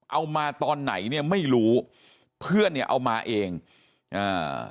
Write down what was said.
เอามาตอนไหนเนี่ยไม่รู้เพื่อนเนี่ยเอามาเองอ่า